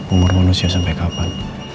umur manusia sampai kapan